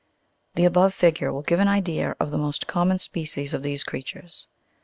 The above figure will give an idea of the most com mon species of these creatures.